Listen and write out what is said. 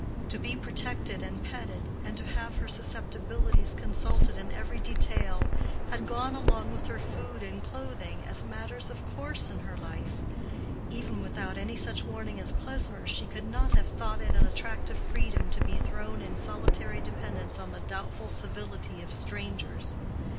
To be protected and petted, and to have her susceptibilities consulted in every detail, had gone along with her food and clothing as matters of course in her life: even without any such warning as Klesmer's she could not have thought it an attractive freedom to be thrown in solitary dependence on the doubtful civility of strangers.